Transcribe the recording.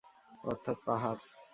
অর্থাৎ পাহাড়।